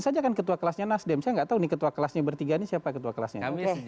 saja kan ketua kelasnya nasdem saya nggak tahu nih ketua kelasnya bertiga ini siapa ketua kelasnya